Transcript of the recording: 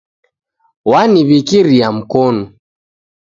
W'aniwikiria mkonu